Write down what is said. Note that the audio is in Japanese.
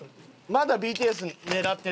まだＢＴＳ狙ってる？